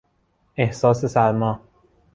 احساس سرما